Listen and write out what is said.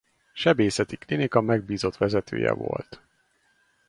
Sebészeti Klinika megbízott vezetője volt.